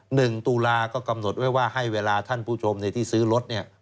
ตุลาก็กำหนดไว้ว่าให้เวลาท่านผู้ชมในที่ซื้อรถเนี่ย